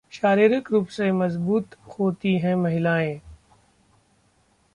शारीरिक रूप से मजबूत होती हैं महिलाएं...